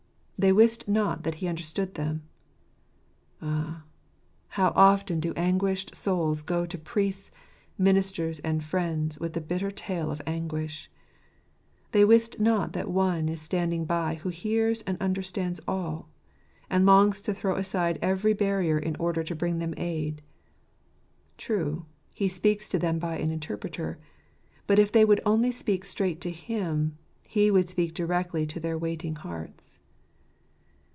"They wist not that he understood them." Ah, how often do anguished souls go to priests, ministers, and friends, with the bitter tale of anguish ! They wist not that One is standing by who hears and understands all, and longs to throw aside every barrier in order to bring them aid. True, He speaks to them by an interpreter; but if they would only speak straight to Him, He would speak directly to their waiting hearts.